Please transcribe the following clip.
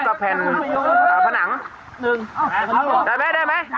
กับแผ่นอ่าผนังหนึ่งได้ไหมได้ไหมอ่าออกไหมลง